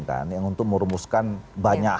kan yang untuk merumuskan banyak